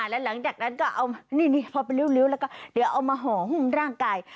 แล้วหลังจากนั้นก็เอานี่พอเป็นริ้วแล้วก็เดี๋ยวเอามาห่อหุ้มร่างกาย